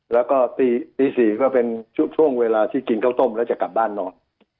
แล้วก็ตี๔ก็เป็นช่วงเวลาที่กินข้าวต้มแล้วจะกลับบ้านนอน